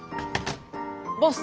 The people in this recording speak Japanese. ボス。